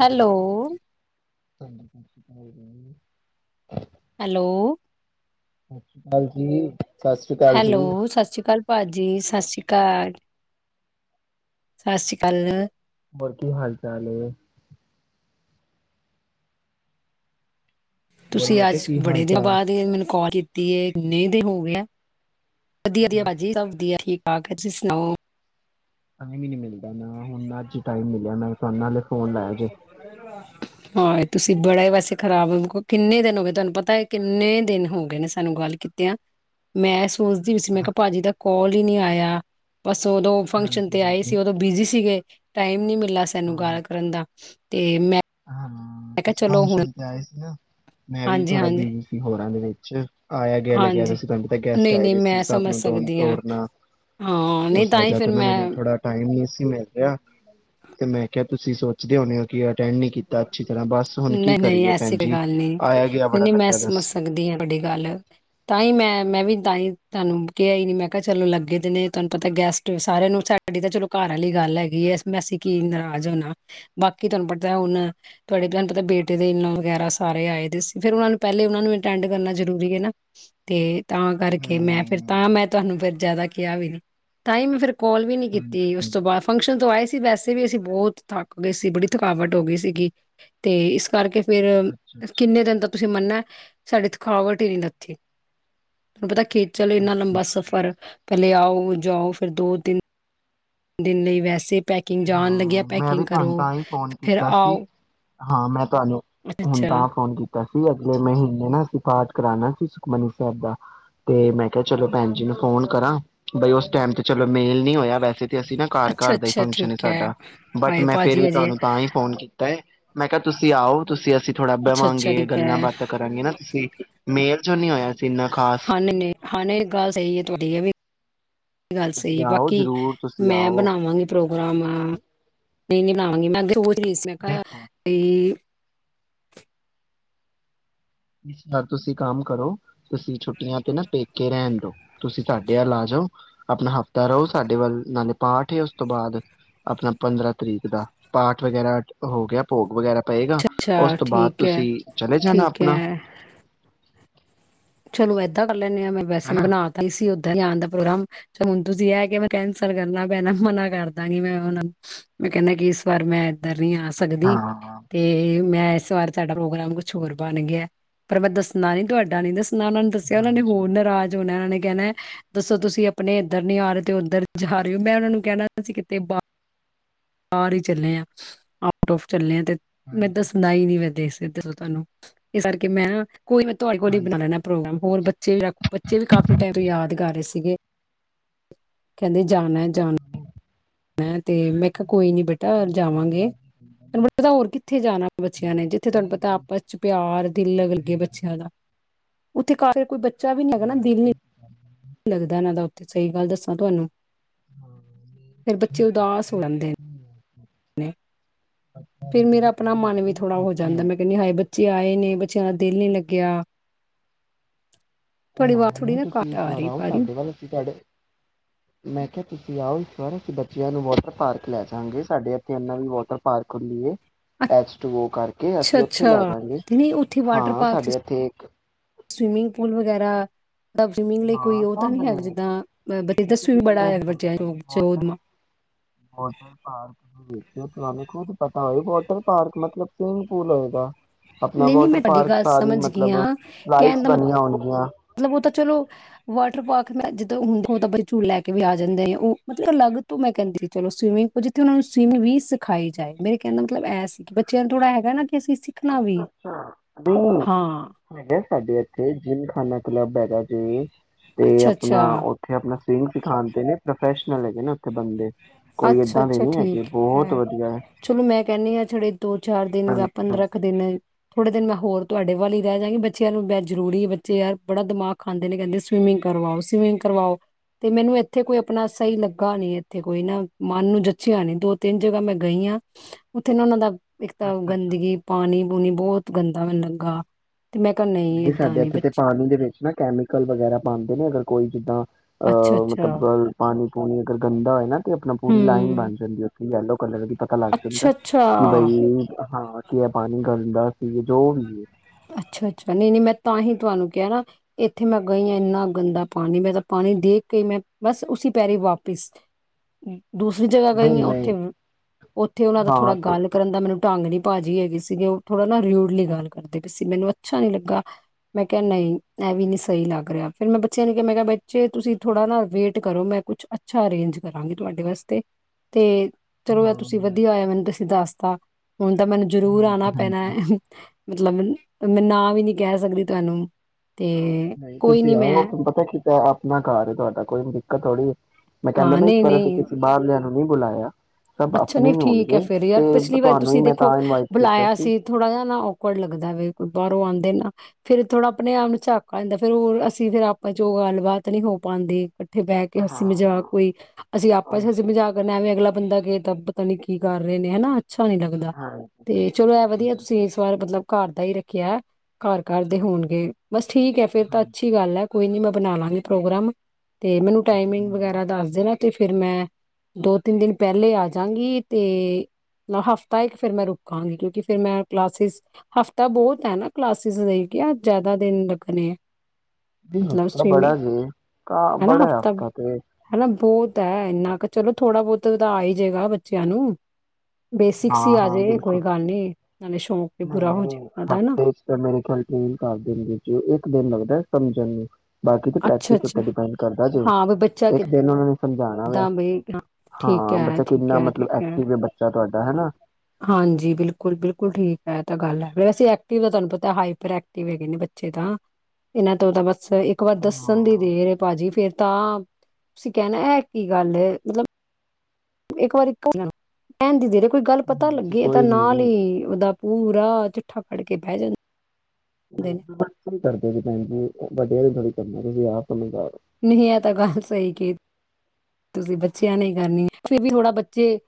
Hello [inaudible] hello ਸਤਿ ਸ਼੍ਰੀ ਅਕਾਲ ਜੀ ਸਤਿ ਸ਼੍ਰੀ ਅਕਾਲ ਹੈਲੋ ਜੀ। ਸਤਿ ਸ਼੍ਰੀ ਅਕਾਲ ਭਾਜੀ ਸਤਿ ਸ਼੍ਰੀ ਅਕਾਲ ਸਤਿ ਸ੍ਰੀ ਅਕਾਲ ਹੋਰ ਕੀ ਹਾਲ ਚਾਲ ਹੈ ਹੋਰ ਤੁਸੀਂ ਮੈਂ ਅੱਜ ਕਿਹਾ ਕੀ ਹਾਲ ਬੜੇ ਦਿਨਾਂ ਚਾਲ? ਬਾਅਦ ਮੈਨੂੰ ਕੋਲ ਕੀਤੀ ਹੈ ਕਿੰਨੇ ਦਿਨ ਹੋ ਗਿਆ ਵਧੀਆ ਵਧੀਆ ਬਸ ਭਾਜੀ ਸਭ ਵਧੀਆ ਠੀਕ [unintelligible] ਜੀ ਸੁਣਾਓ ਐ ਵੀ ਨੀ ਮਿਲਦਾ ਨਾ ਹੁਣ ਨਾ ਅੱਜ ਟਾਈਮ ਮਿਲਿਆ ਮੈਂ ਕੰਨਾਂ ਤੇ ਫੋਨ ਲਾਇਆ ਜੇ ਕੰਨਾਂ ਤੇ ਹਾਂ ਤੁਸੀਂ ਬੜਾ ਹੀ ਵੈਸੇ ਖਰਾਬ ਹੋ ਕਿੰਨੇ ਦਿਨ ਹੋ ਗਏ ਤੁਹਾਨੂੰ ਪਤਾ ਹੈ ਕਿੰਨੇ ਦਿਨ ਹੋ ਗਏ ਨੇ ਸਾਨੂੰ ਗੱਲ ਕੀਤੀਆਂ ਮੈਂ ਸੋਚਦੀ ਸੀ ਮੈਂ ਕਿਹਾ ਭਾਜੀ ਦਾ ਕੋਲ [unintelligible] ਨਹੀਂ ਆਇਆ ਬਸ ਉਦੋਂ ਫੰਕਸ਼ਨ ਹਾਂਜੀ ਤੇ ਆਏ ਹਾਂਜੀ ਸੀ ਉਦੋਂ ਬਿਜੀ ਸੀਗੇ। ਟਾਈਮ ਨਹੀਂ ਮਿਲ ਲੈ ਸੈ ਨੂੰ ਹਾਂ ਗਾਰਕ ਤੇ ਮੈਂ ਹਾਂ ਕਿਹਾ ਤੁਸੀ ਚਲੋ ਹੁਣ ਫੰਕਸ਼ਨ ਤੇ ਆਏ ਸੀ ਨਾ ਮੈਂ ਵੀ ਹਾਂਜੀ ਥੋੜਾ ਹਾਂਜੀ ਬਿਜੀ ਸੀ ਹੋਰਾਂ ਦੇ ਵਿੱਚ ਅੱਛਾ। ਆਇਆ, ਗਿਆ ਹਾਂਜੀ ਲੱਗਿਆ ਸੀ ਤੁਆਨੂੰ ਪਤਾ ਗੈਸਟ ਆਏ ਨਹੀਂ-ਨਹੀਂ ਦੇ ਸੀ। ਮੈਂ ਸਬ ਸਮਝ ਨੂੰ ਸਕਦੀ ਹਾਂ ਤੋਰਨਾ ਹਾਂ ਨਹੀਂ ਉਸ ਤਾਂ ਹੀ ਵਜਾ ਫਿਰ ਤੋਂ ਮੈਂ ਮੈਨੂੰ ਥੋੜਾ ਟਾਈਮ ਨੀਂ ਸੀ ਮਿਲ ਰਿਹਾ। ਤੇ ਮੈਂ ਕਿਹਾ ਤੁਸੀਂ ਸੋਚਦੇ ਹੋਣੇ ਔ ਕਿ ਅ [unintelligible] ਨਈਂ ਨਈਂ ਕਰੀਏ ਭੈਣ ਐਸੀ ਕੋਈ ਜੀ ਗੱਲ ਨਈਂ, ਆਇਆ ਗਿਆ ਨਈਂ ਬੜਾ ਨਈਂ ਮੈਂ ਲੱਗਿਆ ਦਾ ਸਮਝ ਸੀ। ਸਕਦੀ ਆ ਤੁਡੀ ਗੱਲ ਤਾਂ ਹੀ ਮੈਂ ਮੈਂ ਵੀ ਤਾਂ ਹੀ ਤੁਹਾਨੂੰ ਕਿਹਾ ਹੀ ਨੀ ਮੈਂ ਕਿਹਾ ਚਲੋ ਲੱਗੇ ਤੇ ਨੇ ਤੁਹਾਨੂੰ ਪਤਾ ਗੈਸਟ ਸਾਰਿਆਂ ਨੂੰ ਸਾਡੀ ਤਾਂ ਚਲੋ ਘਰ ਵਾਲੀ ਗੱਲ ਹੈਗੀ ਵੈਸੀਂ ਕੀ ਨਾਰਾਜ਼ ਹੋਣਾ ਬਾਕੀ ਤੁਆਨੂੰ ਪਤਾ ਹੁਣ ਤੁਹਾਡੇ ਪ ਬੇਟੇ ਦੇ ਇਲ ਵਗੈਰਾ ਸਾਰੇ ਆਏ ਸੀ ਫਿਰ ਉਹਨਾ ਨੂੰ ਪਹਿਲੇ ਉਹਨਾਂ ਨੂੰ ਅਟੈਂਡ ਕਰਨਾ ਜਰੂਰੀ ਐ ਨਾਂ ਤੇ ਤਾਂ ਕਰਕੇ ਮੈਂ ਫਿਰ ਹੂੰ ਤਾਂ ਮੈਂ ਤੁਹਾਨੂੰ ਫਿਰ ਜਿਆਦਾ ਕਿਹਾ ਵੀ ਨੀਂ, ਤਾਂ ਹੀ ਮੈਂ ਫਿਰ ਕਾਲ ਵੀ ਨੀ ਹਾਂਜੀ ਕੀਤੀ, ਉਸ ਹਾਂਜੀ, ਤੋਂ ਬਾਅਦ ਫੰਕਸ਼ਨ ਤੋਂ ਆਏ ਸੀ। ਵੈਸੇ ਵੀ ਅਸੀਂ ਬਹੁਤ ਥੱਕ ਗਏ ਸੀ ਬੜੀ ਥਕਾਵਟ ਹੋ ਗਈ ਸੀ। ਤੇ ਇਸ ਕਰਕੇ ਫਿਰ ਅੱਛਾ ਅੱਛਾ ਕਿੰਨੇ ਦਿਨ ਤੇ ਤੁਸੀਂ ਮੰਨਨਾ ਸਾਡੀ ਥਕਾਵਟ ਈ ਨਈਂ ਲੱਥੀ ਤੁਨੂੰ ਪਤਾ ਕੀ ਚੱਲ ਇੰਨਾ ਲੰਬਾ ਅੱਛਾ ਸਫ਼ਰ ਪਹਿਲੇ ਆਓ ਜਾਓ ਫਿਰ ਦੋ ਤਿੰਨ ਦਿਨ ਲਈ ਵੈਸੇ ਪੈਕਿੰਗ ਜਾਣ ਲੱਗਿਆ ਹਾਂ ਮੈਂ ਵੀ ਪੈਕਿੰਗ ਕਰੋ ਤੁਹਾਨੂੰ ਤਾਂ ਹੀ ਫੋਨ ਫੇਰ ਕੀਤਾ ਸੀ ਆਓ। ਹਾਂ ਮੈਂ ਤੁਆਨੂੰ ਹੁਣ ਅੱਛਾ ਤਾਂ ਫੋਨ ਕੀਤਾ ਸੀ ਅਗਲੇ ਮਹੀਨੇ ਨਾ ਅਸੀਂ ਪਾਠ ਕਰਾਣਾ ਸੀ ਸੁਖਮਨੀ ਸਾਹਿਬ ਦਾ, ਤੇ ਮੈਂ ਕਿਹਾ ਚਲੋ ਭੈਣ ਜੀ ਨੂੰ ਫੋਨ ਕਰਾਂ ਬਈ ਉਸ ਟਾਈਮ ਤੇ ਚਲੋ ਮੇਲ ਨਹੀਂ ਹੋਇਆ ਵੈਸੇ ਤੇ ਅਸੀਂ ਨਾ ਅੱਛਾ ਘਰ-ਘਰ ਦਾ ਹੀ ਅੱਛਾ ਫੰਕਸ਼ਨ ਠੀਕ ਹੈ ਸਾਡਾ ਬਟ ਹਾਏ ਮੈਂ ਫੇਰ ਭਾਜੀ ਵੀ ਅਜੇ ਤੁਆਨੂੰ ਤਾਂ ਹੀ ਫੋਨ ਕੀਤਾ ਐ ਮੈਂ ਕਿਹਾ ਤੁਸੀਂ ਆਓ ਤੁਸੀਂ ਅਸੀਂ ਥੋੜ੍ਹਾ ਬਹ ਅੱਛਾ ਅੱਛਾ ਵਾਂਗੇ ਠੀਕ ਗੱਲਾਂ ਹੈ ਬਾਤਾਂ ਕਰਾਂਗੇ ਨਾ ਤੁਸੀਂ ਮੇਲ ਚੋਂ ਨੀ ਹੋਇਆ ਸੀ ਇੰਨਾ ਖਾਸ ਹਾਂ ਨਈਂ ਨਈਂ, ਹਾਂ ਨਈਂ ਗੱਲ ਸਹੀ ਐ ਤੁਆਡੀ ਐ ਵੀ ਗੱਲ ਤੁਸੀਂ ਸਈ ਆਓ ਬਾਕੀ ਜ਼ਰੂਰ ਤੁਸੀਂ ਮੈਂ ਆਓ ਬਣਾਵਾਂਗੀ ਪ੍ਰੋਗਰਾਮ ਨਈਂ ਨਈਂ ਲਾਵਾਂਗੀ, ਮੈਂ ਅਗ ਕੈਰੀ ਸੀ ਮੈਂ ਕਿਆ ਦੇਖੋ ਕਿ ਸਰ ਤੁਸੀਂ ਕੰਮ ਕਰੋ ਤੁਸੀਂ ਛੁੱਟੀਆਂ ਤੇ ਨਾ ਪੇਕੇ ਰਹਿਣ ਦੋ। ਤੁਸੀਂ ਸਾਡੇ ਵੱਲ ਆ ਜਾਓ, ਆਪਣਾ ਹਫ਼ਤਾ ਰਹੋ। ਸਾਡੇ ਵੱਲ ਨਾਲੇ ਪਾਠ ਐ ਉਸ ਤੋਂ ਬਾਅਦ ਆਪਣਾ ਪੰਦਰਾਂ ਤਰੀਕ ਦਾ ਪਾਠ ਵਗ਼ੈਰਾ ਹੋ ਗਿਆ ਭੋਗ ਵਗੈਰ੍ਹਾ ਪਏਗਾ ਅੱਛਾ ਉਸ ਅੱਛਾ ਤੋਂ ਬਾਅਦ ਠੀਕ ਤੁਸੀਂ ਹੈ ਚਲੇ ਜਾਣਾ ਠੀਕ ਆਪਣਾ ਹੈ ਮੈਨੂੰ ਇੱਦਾਂ ਲੈਂਦੇ ਹਾਂ ਮੈਂ ਵੈਸੇ ਹਨਾ ਬਣਾ ਤ ਹੀ ਸੀ ਆਣ ਦਾ ਪ੍ਰੋਗਰਾਮ ਹੁਣ ਤੁਸੀਂ ਆ ਕੇ ਮੈਂ ਕੈਂਸਲ ਕਰਨਾ ਪੈਣਾ ਮਨਾ ਕਰਦਾਂਗੀ ਮੈਂ ਉਨ੍ਹਾਂ ਨੂੰ ਮੈਂ ਕਹਿੰਦਾ ਕਿ ਇਸ ਵਾਰ ਮੈਂ ਇੱਧਰ ਨਹੀਂ ਆ ਸਕਦੀ ਹਾਂ ਤੇ ਮੈਂ ਇਸ ਵਾਰ ਤੁਆਡਾ ਪ੍ਰੋਗਰਾਮ ਕੁਛ ਹੋਰ ਬਣ ਗਿਆ ਪਰ ਮੈਂ ਦੱਸਣਾ ਨੀ ਤੁਆਡਾ ਨੀ ਦਸਣ ਉਨ੍ਹਾਂ ਉਨਾਂ ਨੂੰ ਦੱਸਿਆ ਉਨ੍ਹਾਂ ਨੇ ਹਾਂਜੀ ਹੋਰ ਨਾਰਾਜ਼ ਹੋਣਾ ਉਹਨਾਂ ਨੇ ਕਹਿਣਾ ਦੱਸੋ ਤੁਸੀਂ ਆਪਣੇ ਇੱਧਰ ਨੀਂ ਆ ਰਹੇ ਤੇ ਉੱਧਰ ਜਾ ਰਹੇ ਔ, ਮੈਂ ਉਹਨਾਂ ਨੂੰ ਕਹਿਣਾ ਅਸੀ ਕਿਤੇ ਬਾ ਬਾਰ ਹੀ ਚੱਲੇ ਆਂ, ਆਊਟ ਔਫ ਚੱਲੇ ਆਂ। ਤੇ ਮੈਂ ਹਾਂਜੀ ਦੱਸਣਾ ਈਂ ਨਈਂ ਮੈਂ ਦੇਸ ਦੱਸੋ ਤੁਹਾਨੂੰ ਇਸ ਕਰਕੇ ਮੈਂ ਕੋਈ ਨੀ ਮੈਂ ਤੁਹਾਡੇ ਕੋਲ ਹਾਂਜੀ ਬਣਾ ਲੈਣਾ ਹੋਰ ਬੱਚੇ ਵੀ ਬੱਚੇ ਵੀ ਕਾਫੀ ਟਾਈਮ ਤੋਂ ਯਾਦ ਕਰ ਰਹੇ ਆ। ਸੀਗੇ ਕਹਿੰਦੇ। ਜਾਣਾ ਜਾਣਾ ਨਹੀਂ ਤੇ ਮੈਂ ਕਿਹਾ ਕੋਈ ਨੀ ਬੇਟਾ ਆਪਣਾ ਸਮਾਨ ਜਾਵਾਂਗੇ ਲਾ ਕੇ ਚੱਲਦਾ ਨਾ। ਹਾਂ, ਤੁਹਾਨੂੰ ਪਤਾ ਹੋਰ ਕਿੱਥੇ ਜਾਣਾ ਬੱਚਿਆਂ ਨੇ ਜਿੱਥੇ ਤੁਹਾਨੂੰ ਕੋਈ ਪਤਾ ਨੀ, ਆਪਸ ਚ ਪਿਆਰ ਦਿਲ ਉਹ ਤੇ ਹੈ। ਲੱਗੇ ਹਾਂ, ਬੱਚਿਆਂ ਦਾ ਉੱਥੇ ਕਾਫੀ ਕੋਈ ਬੱਚਾ ਵੀ ਨੀ ਹੈਗਾ ਨਾ ਦਿਲ ਨੀ ਨਹੀਂ ਲੱਗਦਾ ਇਹਨਾਂ ਦਾ ਉ ਤੇ ਸਹੀ ਗੱਲ ਦੱਸਾਂ ਤੁਹਾਨੂੰ। ਹਾਂਜੀ ਫਿਰ ਬੱਚੇ ਉਦਾਸ ਹੋ ਲੈਂਦੇ ਨੇ ਇਹ ਫਿਰ ਮੇਰਾ ਆਪਣਾ ਹੈ ਮਨ ਵੀ ਥੋੜਾ ਕਿ ਹੋ ਬੱਚੇ ਜਾਂਦਾ ਮੈਂ ਕਹਿਣੀ ਹਾਏ ਬੱਚੇ ਆਏ ਨੇ ਬੱਚਿਆਂ ਦਾ ਦਿਲ ਨੀ ਲੱਗਿਆ ਤੁਹਾਡੀ ਆਵਾਜ਼ ਹਾਂ, ਥੋੜੀ ਨਹੀਂ ਨਾ ਤੁਸੀਂ ਘੱਟ ਇਸ ਆ ਵਾਰ ਰਹੀ ਆਓ ਭਾਜੀ ਸਾਡੇ ਵੱਲ ਅਸੀਂ ਤੁਹਾਡੇ ਮੈਂ ਕਿਹਾ ਤੁਸੀਂ ਆਓ [unintelligible] ਅਸੀਂ ਬੱਚਿਆਂ ਨੂੰ ਵਾਟਰ ਪਾਰਕ ਲੈ ਜਾਵਾਂਗੇ ਸਾਡੇ ਇੱਥੇ ਐਨਾ ਵੀ water park [unintelligible] H two O ਕਰਕੇ ਅੱਛਾ ਅਸੀਂ ਉੱਥੇ ਅੱਛਾ ਲੈ ਜਾਗੇ ਤੇ ਨਹੀਂ ਹਾਂ ਸਾਡੇ ਇੱਥੇ ਇੱਕ ਸਵੀਮਿੰਗ ਪੂਲ ਵਗੈਰਾ ਦਾ ਸਵਿਮਿੰਗ ਲਈ ਕੋਈ ਹਾਂ ਉਹ ਤਾਂ ਸਭ ਨਹੀਂ ਹੈਗਾ ਨੇ ਜਿੱਦਾਂ ਅ, ਬੱਚੇ [unintelligible] ਦਾ ਸਵਿਮ ਬੜਾ ਹੈ ਬੱਚਿਆਂ ਨੂੰ ਚੋਦਮਾ। ਤੁਹਾਨੂੰ ਖੁਦ ਪਤਾ ਹੋਏ ਵਾਟਰ ਪਾਰਕ ਮਤਲਬ ਸਵਿਮਿੰਗ ਪੂਲ ਹੋਏਗਾ ਆਪਣਾ ਨਹੀਂ ਨਹੀਂ ਵਾਟਰ ਮੈਂ ਤੁਹਾਡੀ ਪਾਰਕ ਗੱਲ ਸਾਰੀ ਸਮਝ ਗਈ ਮਤਲਬ ਹਾਂ ਲਾਈਕਸ ਕਹਿਣ ਦਾ ਬਣੀਆਂ ਹੋਣਗੀਆਂ ਮਤਲਬ ਉਹ ਤਾਂ ਚਲੋ ਵਾਟਰ ਪਾਰਕ ਮੈਂ ਜਿੱਦੋਂ ਹੁੰਦਾ ਉਹ ਤਾਂ ਝੂਲ ਲੈ ਕੇ ਵੀ ਆ ਜਾਂਦੇ ਹੈ ਉਹ ਮਤਲਬ ਅਲੱਗ ਤੋਂ ਮੈਂ ਕਹਿੰਦੀ ਸੀ ਚਲੋ ਸਵੀਮਿੰਗ ਜਿੱਥੇ ਉਹ ਨੂੰ ਸਵਿਮ ਵੀ ਸਿਖਾਈ ਜਾਏ ਮੇਰੇ ਕਹਿਣ ਦਾ ਮਤਲਬ ਇਹ ਸੀ ਕਿ ਬੱਚਿਆਂ ਨੂੰ ਥੋੜ੍ਹਾ ਹੈਗਾ ਨਾ ਅਸੀਂ ਸਿੱਖਣਾ ਵੀ ਨਹੀਂ ਹਾਂ ਹੈਗਾ ਸਾਡੇ ਇੱਥੇ ਜਿੰਮ ਖਾਨਾ ਕਲੱਬ ਹੈ। [unintelligible] ਤੇ ਅੱਛਾ ਆਪਣਾ ਅੱਛਾ ਉੱਥੇ ਆਪਣਾ [unintelligible] ਸਿਖਾਂਦੇ ਨੇ। ਨਾਲ ਹੈਗੇ ਓਥੇ ਬੰਦੇ ਕੋਈ ਅੱਛਾ ਏਦਾਂ ਦੇ ਅੱਛਾ ਨਹੀਂ ਹੈਗੇ ਠੀਕ ਬਹੁਤ ਹੈ ਵਧੀਆ ਚਲੋ ਮੈਂ ਕਹਿਣੀ ਆ ਜਿਹੜੇ ਦੋ ਚਾਰ ਦਿਨ ਹਾਂਜੀ ਪੰਦਰਾਂ ਹਾਂਜੀ ਦਿਨ ਥੋੜੇ ਦਿਨ ਮੈਂ ਹੋਰ ਤੁਹਾਡੇ ਵੱਲ ਹੀ ਰਹਿ ਜਾਂਗੀ ਬੱਚਿਆਂ ਨੂੰ ਬ ਜ਼ਰੂਰੀ ਬੱਚੇ ਯਾਰ ਬੜਾ ਦਿਮਾਗ ਖਾਂਦੇ ਨੇ ਕਹਿੰਦੇ ਸਵੀਮਿੰਗ ਕਰਵਾਓ ਸਵੀਮਿੰਗ ਕਰਵਾਓ ਤੇ ਮੈਨੂੰ ਇੱਥੇ ਕੋਈ ਆਪਣਾ ਸਹੀ ਲੱਗਾ ਨੀ ਇੱਥੇ ਕੋਈ ਨਾ ਮਨ ਨੂੰ ਜਚਿੱਆ ਨੀ ਦੋ ਤਿੰਨ ਜਗ੍ਹਾ ਮੈਂ ਗਈ ਹਾਂ ਉੱਥੇ ਨਾ ਉਹਨਾਂ ਦਾ ਇੱਕ ਤਾਂ ਅੱਛਾ ਗੰਦਗੀ ਪਾਣੀ [unintelligible] ਬਹੁਤ ਗੰਦਾ ਮੈਨੂੰ ਲੱਗਾ ਤੇ ਮੈਂ ਕਿਹਾ ਨਹੀਂ ਏਦਾਂ ਸਾਡੇ ਨਹੀਂ ਇੱਥੇ ਤੇ ਬੱਚੇ ਪਾਣੀ ਦੇ ਵਿੱਚ ਨਾ ਕੈਮੀਕਲ ਵਗੈਰਾ ਪਾਂਦੇ ਨੇ ਅਗਰ ਕੋਈ ਜਿੱਦਾਂ ਅੱਛਾ ਅ ਅੱਛਾ ਮਤਲਬ ਪੰਜ ਪਾਣੀ ਅਗਰ ਗੰਦਾ ਹੋਏ ਨਾ ਆਪਣਾ ਪੂਰੀ ਲਾਈਨ ਹੂੰ ਬਣ ਜਾਂਦੀ ਉਥੇ ਯੈਲੋ ਕਲਰ ਦੀ ਪਤਾ ਲੱਗ ਜਾਂਦਾ ਅੱਛਾ ਕਿ ਅੱਛਾ ਬਈ ਹਾਂ ਕੀ ਐ ਪਾਣੀ ਦਿੰਦਾ ਸੀਗੇ ਜੋ ਵੀਏ ਅੱਛਾ ਅੱਛਾ ਨਹੀਂ ਨਹੀਂ ਮੈਂ ਤਾਂ ਹੀ ਤੁਹਾਨੂੰ ਕਿਹਾ ਨਾ ਇੱਥੇ ਮੈਂ ਗਈ ਹਾਂ ਇੰਨਾ ਗੰਦਾ ਪਾਣੀ ਮੈਂ ਤਾਂ ਪਾਣੀ ਦੇਖ ਕੇ ਮੈਂ ਬਸ ਉਸੀ ਪੈਰੀਂ ਵਾਪਿਸ ਦੂਸਰੀ ਜਗ੍ਹਾ ਗਈ ਆ ਨਹੀਂ ਉੱਥੇ ਨਹੀਂ ਉੱਥੇ ਉਹਨਾਂ ਦਾ ਥੋੜਾ ਹਾਂ ਤੇ- ਗੱਲ ਕਰਨ ਦਾ ਮੈਨੂੰ ਢੰਗ ਨੀ ਭਾਜੀ ਹੈਗੇ ਸੀਗੇ ਉਥੋ ਦਾ ਨਾ ਰਿਊਡਲੀ ਗੱਲ ਕਰਦੇ ਸੀ ਮੈਨੂੰ ਅੱਛਾ ਨੀ ਲੱਗਾ ਮੈਂ ਕਿਹਾ ਨਹੀਂ ਇਹ ਵੀ ਨੀ ਸਹੀ ਲੱਗ ਰਿਹਾ ਫੇਰ ਮੈਂ ਬੱਚਿਆਂ ਨੇ ਕਿਹਾ ਮੈਂ ਕਿਹਾ ਬੱਚੇ ਤੁਸੀਂ ਥੋੜਾ ਨਾ ਵੇਟ ਕਰੋ ਮੈਂ ਕੁਛ ਅੱਛਾ ਅਰੇਂਜ ਕਰਾਂਗੀ ਤੁਹਾਡੇ ਵਾਸਤੇ ਤੇ ਚਲੋ ਐ ਹਾਂ ਤੁਸੀਂ ਵਧੀਆ ਆਇਆ ਮੈਨੂੰ ਦੱਸਿਆ ਸ ਦਸ ਤਾ ਹੁਣ ਤਾਂ ਮੈਨੂੰ ਜਰੂਰ ਆਣਾ ਹਾਂਜੀ ਪੈਣਾ ਹਾਂਜੀ ਹੈ ਮਤਲਬ ਮੈਂ ਨਾ ਵੀ ਨੀ ਕਹਿ ਸਕਦੀ ਤੁਹਾਨੂੰ ਤੇ ਨਹੀਂ ਕੋਈ ਤੁਸੀਂ ਆਓ ਮੈਂ ਤੁਹਾਨੂੰ ਪਤਾ ਕਿ ਆਪਣਾ ਘਰ ਤੁਹਾਡਾ ਕੋਈ ਦਿੱਕਤ ਥੋੜੀ ਮੈਂ ਕਹਿੰਦਾ ਹਾਂ ਮੈਂ ਨਹੀਂ ਇੱਕ ਅਸੀਂ ਨਹੀਂ ਤੁਸੀਂ ਬਾਹਰ ਜਾਣਾ [unintelligible] ਨਹੀਂ ਬੁਲਾਇਆ ਸਭ ਅੱਛਾ ਆਪਣੇ ਨੀ ਹੀ ਠੀਕ ਹੈ ਹੋਣਗੇ ਫੇਰ ਤੇ ਯਾਰ ਪਿਛਲੀ ਵਾਰ ਤੁਹਾਨੂੰ ਹੀ ਤੁਸੀਂ ਮੈਂ ਦੇਖੋ ਤਾਂ ਇਨਵਾਈਟ ਕੀਤਾ ਬੁਲਾਇਆ ਸੀ ਥੋੜਾ ਜਾ ਨਾ ਉਪਰਾ ਲੱਗਦਾ ਵੇ ਕੋਈ ਬਾਹਰੋਂ ਆਉ ਫੇਿਰ ਥੋੜਾ ਆਪਣੇ ਆਪ ਨੂੰ ਝਾਕਾ ਆਂਦਾ ਫੇਰ ਉਹ ਅਸੀਂ ਫਿਰ ਆਪਾਂ ਉਹ ਗੱਲਬਾਤ ਨੀ ਹੋ ਪਾਉਂਦੀ। ਉੱਥੇ ਬਹਿ ਕੇ ਹਸੀ ਹਾਂ ਮਜ਼ਾਕ ਹਾਂ ਕੋਈ ਅਸੀਂ ਆਪ ਚ ਹਸੀ ਹਾਂਜੀ ਮਜ਼ਾਕ ਕਰਨਾ ਐਵੇਂ ਅਗਲਾ ਬੰਦਾ ਕਹੇ ਤਾਂ ਪਤਾ ਨੀ ਕੀ ਕਰ ਰਹੇ ਨੇ ਹਨਾ ਅੱਛਾ ਨੀ ਲੱਗਦਾ ਹਾਂਜੀ ਤੇ ਹਾਂਜੀ ਚਲੋ ਇਹ ਬਿਲਕੁਲ ਵਧੀਆ ਤੁਸੀਂ ਬਿਲਕੁਲ ਇਸ ਵਾਰ ਮਤਲਬ ਘਰ ਦਾ ਹੀ ਰੱਖਿਆ ਘਰ ਘਰ ਦੇ ਹੋਣਗੇ। ਬਸ ਠੀਕ ਹੈ। ਫੇਰ ਤਾਂ ਹਾਂਜੀ ਅੱਛੀ ਗੱਲ ਹੈ। ਕੋਈ ਨੀ ਮੈਂ ਬਣਾ ਲਾਂਗੇ ਪ੍ਰੋਗਰਾਮ ਤੇ ਮੈਨੂੰ ਟਾਈਮਿੰਗ ਬਣਾਇਆ ਵਗੈਰਾ ਦੱਸ ਦੇਣਾ ਤੇ ਫਿਰ ਮੈਂ ਦੋ ਤਿੰਨ ਦਿਨ ਪਹਿਲੇ ਆ ਜਾਵਾਂਗੀ। ਗੀ ਤੇ ਹਫ਼ਤਾ ਇੱਕ ਫਿਰ ਮੈਂ ਰੁਕਾਂਗੀ ਕਿਉਂਕਿ ਫਿਰ ਮੈਂ ਕਲਾਸਿਸ ਹਫਤਾ ਬਹੁਤ ਹੈ ਨਾ ਕਲਾਸਿਸ ਲਈ ਕਿਆ ਜ਼ਿਆਦਾ ਦਿਨ ਲੱਗਣੇ ਆ ਨਹੀਂ ਹਫਤਾ ਬੜਾ ਜੇ ਤਾਂ ਬੜਾ ਹਫ਼ਤਾ ਤੇ ਹਨਾ ਬਹੁਤ ਇੰਨਾ ਕੁ ਚਲੋ ਥੋੜਾ ਬਹੁਤਦਾ ਆ ਹੀ ਜੇਵਾ ਬੱਚਿਆਂ ਨੂੰ ਬੇਸਿਕਸ ਸੀ ਹਾਂ ਹਾਂ ਆਜੇ ਕੋਈ ਬਿਲਕੁਲ ਗੱਲ ਨੀ ਨਾਲੇ ਸ਼ੌਕ ਨਹੀਂ ਨਹੀਂ ਹਫ਼ਤੇ ਚ ਤਾਂ ਮੇਰੇ ਖਿਆਲ ਡੀਲ ਕਰ ਦੇ ਇੱਕ ਦਿਨ ਲੱਗਦਾ। ਸਮਝਣ ਨੂੰ ਬਾਕੀ ਦੀ ਅੱਛਾ ਪ੍ਰੈਕਟਿਸ ਅੱਛਾ ਉੱਤੇ ਡਿਪੈਂਡ ਕਰਦਾ ਜੇ ਹਾਂ ਵੀ ਬੱਚਾ ਇੱਕ ਦਿਨ ਉਹਨਾ ਨੇ ਸਮਝਾਉਣਾ ਵੈਂ। ਕਿੱਦਾਂ ਬਈ ਹਾਂ, ਠੀਕ ਹਾਂ, ਹੈ ਬੱਚਾ ਠੀਕ ਕਿੰਨਾ ਹੈ ਮਤਲਬ ਠੀਕ ਐਕਟਿਵ ਹੈ। ਬੱਚਾ ਤੁਹਾਡਾ ਹੈ ਨਾ ਹਾਂਜੀ, ਬਿਲਕੁਲ -ਬਿਲਕੁਲ ਠੀਕ ਹੈ। ਇਹ ਤਾਂ ਗੱਲ ਹੈ। ਵੈਸੇ ਐਕਟਿਵ ਦਾ ਤੁਹਾਨੂੰ ਪਤਾ ਹਾਈਪਰ ਐਕਟਿਵ ਹੈਗੇ ਨੇ ਬੱਚੇ ਤਾਂ ਇਹਨਾਂ ਤੋਂ ਤਾਂ ਬਸ ਇੱਕ ਵਾਰ ਦੱਸਣ ਦੀ ਹਾਂ ਦੇਰ ਭਾਜੀ ਫੇਰ ਤਾਂ ਤੁਸੀਂ ਕਹਿਣਾ ਇਹ ਕੀ ਗੱਲ ਮਤਲਬ ਇੱਕ ਵਾਰੀ ਜਾ [unintelligible] ਕਹਿਣ ਦੀ ਦੇਰ ਏ ਕੋਈ ਗੱਲ ਪਤਾ ਹਾਂਜੀ ਲੱਗੀ ਤਾਂ ਕੋਈ ਨਾਲ ਨੀ ਹੀ ਉਹਦਾ ਪੂਰਾ ਚਿੱਠਾ ਫੜ ਕੇ ਬਹਿ ਜਾਂਦਾ ਕਰਦੇ ਸੀ ਭੈਣ [unintelligible] ਜ ਬਟੇ ਥੋੜੀ ਤੇ ਮੈਂਰੇ ਵੀ [unintelligible] ਆਪਨ ਜਾ ਨਹੀਂ ਇਹ ਤਾਂ ਗੱਲ ਸਹੀ ਕਿ ਤੁਸੀਂ ਬੱਚਿਆਂ ਨਹੀਂ ਕਰਨੀ ਫਿਰ ਵੀ ਥੋੜਾ ਬੱਚੇ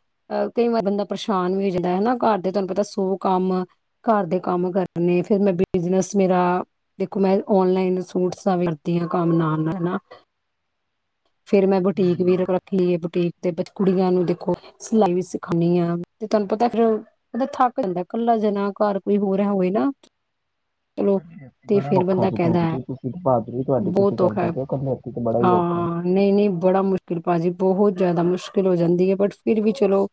ਕਈ ਵਾਰ ਬੰਦਾ ਪਰੇਸ਼ਾਨ ਵੀ ਹੋ ਜਾਂਦਾ ਹਨਾ ਘਰ ਦੇ ਤੁਹਾਨੂੰ ਪਤਾ ਸੋ ਕੰਮ ਘਰ ਦੇ ਕੰਮ ਕਰਨੇ ਫਿਰ ਮੈਂ ਬਿਜਨਸ ਮੇਰਾ ਦੇਖੋ ਮੈਂ ਓਨਲਾਈਨ ਸੂਟਸ ਵਰਤੀਆਂ ਕੰਮ ਨਾਲ- ਨਾਲ, ਹੈ ਨਾ। ਫੇਰ ਮੈਂ ਬੁਟੀਕ ਵੀ ਰੱਖੀ ਹੈ। ਬੁਟੀਕ ਦੇ ਵਿੱਚ ਕੁੜੀਆਂ ਨੂੰ ਦੇਖੋ ਸਿਲਾਈ ਵੀ ਸਿਖਾਣੀ ਆ ਤੇ ਤੁਹਾਨੂੰ ਪਤਾ ਫੀਰ ਉਹਦਾ ਥੱਕ ਜਾਂਦਾ ਕੱਲਾ ਜਨਾ ਘਰ ਕੋਈ ਹੋਰ ਹੈ। ਹੋਵੇ ਨਾ ਚਲੋ ਤੇ ਬੜਾ ਫਿਰ ਔਖਾ ਬੰਦਾ ਜੀ। ਕਹਿੰਦਾ ਬਹਾਦਰੀ ਹੈ ਤੁਹਾਡੀ ਜੀ ਤੁਸੀਂ ਬਹੁਤ ਔਖਾ ਕਰਦੇ ਹੈ। ਪਹੇ ਓ ਇਕੱਲੇ। ਹਾਂ, ਨਹੀਂ -ਨਹੀਂ ਬੜਾ ਮੁਸ਼ਕਿਲ ਭਾਜੀ ਬਹੁਤ ਜਿਆਦਾ ਮੁਸ਼ਕਿਲ ਹੋ ਜਾਂਦੀ ਹੈ ਬਟ ਫਿਰ ਵੀ ਚਲੋ,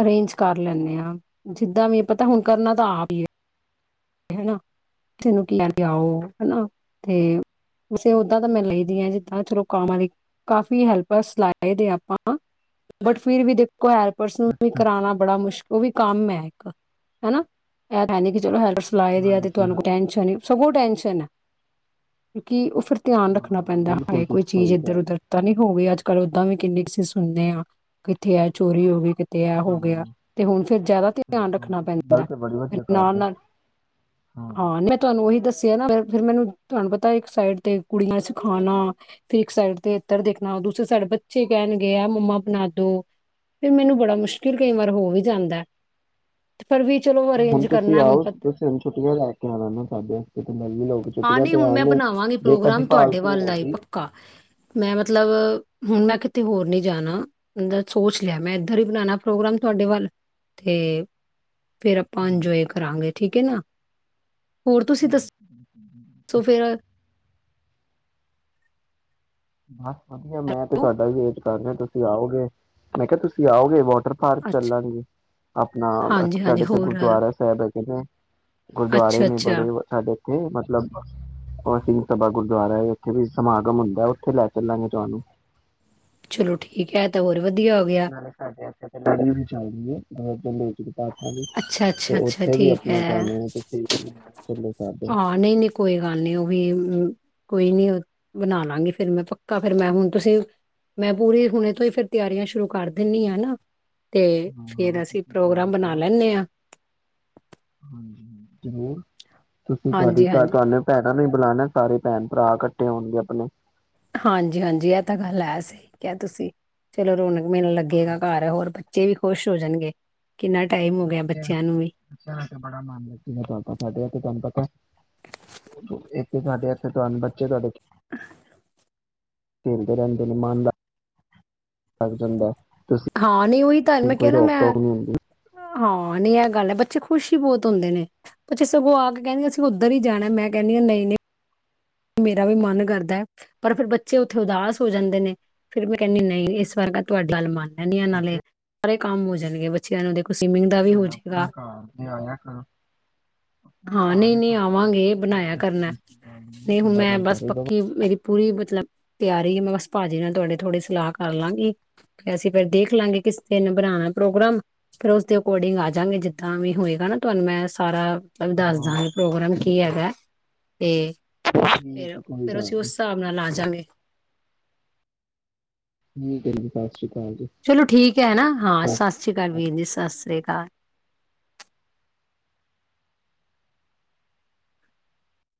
ਅਰੇਂਜ ਕਰ ਲੈਂਦੇ ਹਾਂ। ਜਿੱਦਾਂ ਵੀ ਪਤਾ ਹੁਣ ਕਰਨਾ ਤਾਂ ਆਪ ਹੀ ਹੈ। ਹੈਨਾ ਕਿਸਨੂੰ ਕੀ ਲਿਆਓ ਹਨਾ ਤੇੇ ਦਾਂ ਤਾਂ ਮੈਂ ਲਈ। ਜਿੱਦਾਂ ਚਲੋ ਕੰਮਾਂ ਦੀ ਕਾਫ਼ੀ ਹੈਲਪਰਸ ਲਾਏ ਦੇ ਆਪਾਂ ਬਟ ਫਿਰ ਵੀ ਦੇਖੋ ਹੈਲਪਰਸ ਨੂੰ ਵੀ ਅੱਛਾ ਅੱਛਾ ਕਰਾਉਣਾ ਬੜਾ ਮੁਸ਼ਕਲ ਹੈ। ਉਹ ਵੀ ਇਕ ਕੰਮ ਹੈ। ਹਨਾ ਇਹ ਕਹਿੰਦੇ ਕਿ ਚਲੋ ਹੈਲਪਰ ਲਲਾਏ ਦੇ ਆ ਅਤੇ ਹਾਂਜੀ ਤੁਹਾਨੂੰ ਕੋ ਹਾਂਜੀ ਟੈਂਸ਼ਨ ਹੀ ਸਗੋਂ ਟੈਂਨਸ਼ਨ ਹੈ, ਕਿਉਂਕਿ ਉਹ ਫਿਰ ਧਿਆਨ ਰੱਖ ਰੱਖਣਾ ਹਾਂ ਪੈਂਦਾ ਹੈ। ਹਾਏ! ਬਿਲਕੁਲ ਕੋਈ ਤੁਸੀਂ ਚੀਜ਼ ਸਹੀ ਇੱਧਰ- ਕਹਿ ਰਹੇ ਉੱਧਰ ਤਾਂ ਨੀ ਹੋਵੇਈ ਅੱਜ ਕੱਲ ਓਦਾਂ ਵੀ ਕਿੰਨੀ ਕੁਸੀਂ ਸੁਣਦੇ ਹਾਂ ਕਿੱਥੇ ਆ ਚੋਰੀ ਹੋ ਗਈ। ਕਿਤੇ ਇਹ ਹੋ ਗਿਆ। ਤੇ ਹੁਣ ਫੇਰ ਜ਼ਿਆਦਾ ਤੇ ਸਹੀ ਧਿਆਨ ਗੱਲ ਰੱਖਣਾ ਤੁਸੀਂ- ਪੈਂਦਾ ਗੱਲ ਤੇ ਬੜੀ ਏ ਫਰ ਵਧੀਆ ਕਰ ਰਹੇ ਹੋ। ਨਾਲ-ਨਾਲ, ਹਾਂ ਮੈਂ ਤੁਹਾਨੂੰ ਉਹੀ ਦੱਸਿਆ ਨਾ ਫੇਿਰ ਮੈਨੂੰ ਤੁਹਾਨੂੰ ਪਤਾ ਇੱਕ ਸਾਈਡ ਤੇ ਕੁੜੀਆਂ ਚ ਖਾਣਾ ਤੇ ਇੱਕ ਸਾਈਡ ਤੇ ਇੱਤਰ ਦੇਖਣਾ ਦੂਸਰੇ ਸਾਈਡ ਬੱਚੇ ਕਹਿਣਗੇ ਆ ਮੰਮਾ ਬਣਾ ਦੋ ਫਿਰ ਮੈਨੂੰ ਬੜਾ ਮੁਸ਼ਕਿਲ ਕਈ ਵਾਰ ਹੋ ਵੀ ਜਾਂਦਾ ਹੈ। ਹੁਣ ਤੁਸੀਂ ਆਓ ਤੁਸੀਂ ਹੁਣ ਛੁੱਟੀਆਂ ਲੈ ਕੇ ਆਵਣਾ ਸਾਡੇ ਤੇ ਪਲ ਵੀ ਲੋਕ ਛੁੱਟੀਆਂ ਤੇ ਆਏ ਨੇ ਜੇ ਕਦੀ ਭਾਲ ਵੱਲਦਾ ਹੀ ਪੱਕਾ ਮੈਂ ਮਤਲਬ ਹੁਣ ਮੈਂ ਕਿਤੇ ਹੋਰ ਨੀ ਜਾਣਾ ਸੋਚ ਲਿਆ ਮੈਂ ਇੱਧਰ ਹੀ ਬਣਾਉਣਾ ਪ੍ਰੋਗਰਾਮ ਤੁਹਾਡੇ ਵੱਲ ਤੇ ਫ਼ੇਰ ਆਪਾਂ ਇੰਜੋਏ ਕਰਾਂਗੇ। ਠੀਕ ਹੈ ਨਾ ਹੋਰ ਤੁਸੀਂ ਦੱਸੋ ਫਿਰ [inaudible] [inaudible] ਵਧੀਆ ਮੈਂ ਤੇ ਹੈਲੋ ਤੁਹਾਡਾ ਵੀੇ ਕਰ ਤੁਸੀਂ ਆਓਗੇ ਮੈਂ ਕਿਹਾ ਤੁਸੀਂ ਆਓਗੇ ਵੋ? ਤਰ ਪਾਰਕ ਅੱਛਾ ਚੱਲਾਂਗੇ ਆਪਣਾ ਹਾਂਜੀ ਸਾਡੇ ਹਾਂਜੀ ਇੱਥੇ ਹੋਰ ਗੁਰਦੁਆਰਾ ਸਾਹਿਬ ਹੈਗੇ ਨੇ ਗੁਰਦੁਆਰੇ ਅੱਛਾ ਨੇ ਅੱਛਾ ਬੜੇ ਸਾਡੇ ਇੱਥੇ ਮਤਲਬ ਸਿੰਘ ਸਭਾ ਗੁਰਦੁਆਰੇ ਉੱਥੇ ਵੀ ਸਮਾਗਮ ਹੁੰਦਾ ਏ। ਥੇ ਲੈ ਚਲਾਂਗੇ ਤੁਹਾਨੂੰ। ਚਲੋ ਠੀਕ ਹੈ ਤੇ ਹੋਰ। ਵਧੀਆ ਹੋ ਗਿਆ ਨਾਲੇ ਸਾਡੇ ਇ ਤੇ ਲੜੀ ਵੀ ਚਾਹੀਦੀ ਹੈ। ਹੋ ਦਿੱਲੀ ਅੱਛਾ-ਅੱਛਾ-ਅੱਛਾ ਠੀਕ ਹੈ। ਆਪਣਾ ਤੁਹਾਨੂੰ ਤੁਸੀਂ ਵੀ ਨਾਲ ਚੱਲੋ ਸਾਡੇ ਹਾਂ ਨਹੀਂ-ਨਹੀਂ ਕੋਈ ਗੱਲ ਨਹੀਂ ਉਹ ਵੀ ਕੋਈ ਨੀ ਬਣਾ ਲਾਂਗੀ ਫੇਿਰ ਮੈਂ ਪੱਕਾ ਫਿਰ ਮੈਂ ਹੁਣ ਤੁਸੀਂ ਮੈਂ ਪੂਰੀ ਹੁਣੇ ਤੋਂਹੀ ਫੇਰ ਤਿਆਰੀਆਂ ਸ਼ੁਰੂ ਕਰ ਦਿੰਦੀ ਆ ਨਾ। ਤੇ ਹਾਂ ਫੇਿਰ ਅਸੀਂ ਤੁਸੀਂ ਪ੍ਰੋਗਰਾਮ ਤਿਆਰੀ ਬਣਾ ਕਰੋ ਲੈਂਨੇ ਹਾਂ ਜਰੂਰ ਤੁਸੀਂ ਤੁਹਾਡੀ ਭ ਤੁਹਾਨੂੰ ਭੈਣ ਇਹਾਂ ਨੂੰ ਬੁਲਾਣੇ ਸਾਰੇ ਭੈਣ-ਭਰਾ ਇਕੱਠੇ ਹੋਣਗੇ ਆਪਣੇ। ਹਾਂਜੀ-ਹਾਂਜੀ। ਇਹ ਤਾਂ ਗੱਲ ਹੈ ਸਹੀ ਕਿਹਾ ਤੁਸੀਂ। ਚਲ ਰੋਨਕ ਮੈਨੂੰ ਲੱਗੇਗਾ ਘਰ ਹੈ ਹੋਰ ਬ ਬੱਚੇ ਵੀ ਖੁਸ਼ ਹੋ ਜਾਣਗੇ। ਕਿੰਨਾ ਟਾਈਮ ਹੋ ਗਿਆ ਬੱਚਿਆਂ- ਨੂੰ ਵੀ ਬੱਚਿਆਂ ਦਾ ਬੜਾ ਮਨ [unintelligible] ਤੁਹਾਨੂੰ ਪਤਾ ਹੈ। ਤੁਹਾਡੇ ਹੱਥ ਤੁਹਾਨੁੰ ਬੱਚੇ ਤੁਹਾਡੇ ਖੇਲਦੇ ਰਹਿੰਦੇ ਨੇ ਮਨ ਲੱਗ ਜਾਂਦਾ ਤੁਸੀਂ ਹਾਂ, ਨਹੀਂ ਉਹੀ ਤੁਹਾਨੂੰ ਕਿਹਾ ਕੋਈ ਨ ਮੈਂ ਰੋਕ ਟੋਕ ਨਹੀਂ ਹੁੰਦੀ ਹਾਂ, ਨਹੀਂ ਇਹ ਗੱਲ ਹੈ, ਬੱਚੇ ਖੁਸ਼ ਹੀ ਬਹੁਤ ਹੁੰਦੇ ਨੇ। ਬੱਚੇ ਸਗੋਂ ਆ ਕੇ ਕਹਿੰਦੇ ਅਸੀਂ ਉਧਰ ਹੀ ਜਾਣਾ ਮੈਂ ਕਹਿੰਦੀ ਹਾ ਨਹੀਂ ਨਹੀਂ ਮੇਰਾ ਵੀ ਮਨ ਕਰਦਾ ਹੈ ਪਰ ਫਿਰ ਬੱਚੇ ਉੱਥੇ ਉਦਾਸ ਹੋ ਜਾਂਦੇ ਨੇ ਫੇਰ ਮੈਂ ਕਹਿੰਦੀ ਨਹੀਂ ਇਸ ਵਾਰ ਮੈਂ ਤੁਹਾਡੀ ਗੱਲ ਮੰਨ ਲੈਂਦੀ ਹਾਂ ਨਾਲੇ ਸਾਰੇ ਕੰਮ ਹੋ ਜਾਣਗੇ ਬੱਚਿਆਂ ਨੂੰ ਸਵਿਮਿੰਗ ਦਾ ਕੀ ਵੀ ਹੋ ਹੋਇਆ ਆਪਣਾ ਜਾਏਗਾ ਘਰ ਤੇ ਆਇਆ ਕਰੋ। ਆਪਣਾ ਹਾਂ ਘਰ ਨਹੀਂ ਏ ਤੁਹਾਡਾ ਭੈਣ ਜੀ ਕੋਈ ਏਸੀ ਵੈਸੀ ਗਲ ਸੇਮ ਮੈਂ ਬਸ ਪੱਕੀ ਮੇਰੀ ਪੂਰੀ ਮਤਲਬ ਤਿਆਰੀ ਏ ਮੈਂ ਪਾਜੀ ਨਾਲ ਤੁਹਾਡੇ ਥੋੜੀ ਸਲਾਹ ਕਰ ਲਾਂਗੀ, ਅਸੀਂ ਫੇਰ ਦੇਖ ਲਾਂਗੇ ਕਿਸ ਦਿਨ ਬਣਾਉਣਾ ਪ੍ਰੋਗਰਾਮ, ਫੇਰ ਉਸਦੇ ਅਕੋਰਡਿੰਗ ਆਜਾ ਗੇ ਜਿੱਦਾ ਵੀ ਹੋਏਗਾ ਨਾ ਤੁਹਾਨੂੰ ਮੈਂ ਸਾਰਾ ਤੁਹਾਨੂੰ ਦੱਸ ਹਾਂ ਦਾਂਗੇ ਪ੍ਰੋਗਰਾਮ ਕੀ ਹੈਗਾ? ਤੇ ਫੇਰ ਠੀਕ ਹੈ, ਕੋਈ -ਫਿਰ ਗੱਲ ਅਸੀਂ ਉਸ ਹਿਸਾਬ ਨਾਲ ਆਜਾ ਗੇ। ਠੀਕ ਏ ਜੀ ਸਬ। ਚਲੋ ਠੀਕ ਹੈ ਨਾ, ਹਾਂ, ਸਤਿ ਸ਼੍ਰੀ ਅਕਾਲ ਵੀਰ ਜੀ ਸਤਿ ਸ੍ਰੀ ਅਕਾਲ।